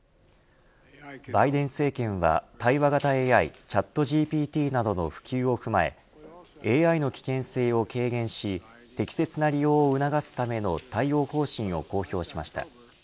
バイデン政権は対話型ＡＩチャットＧＰＴなどの普及を踏まえＡＩの危険性を軽減し適切な利用を促すための対応方針を公表しました。